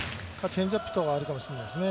チェンジアップとかあるかもしれないですね。